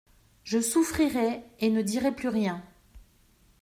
Je souffrirai, et ne dirai plus rien.